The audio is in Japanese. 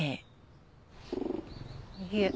いえ